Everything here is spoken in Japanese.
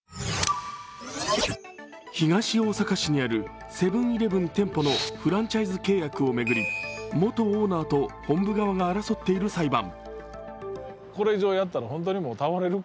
東大阪市にあるセブン−イレブン店舗のフランチャイズ契約を巡り元オーナーと本部側が争っている裁判。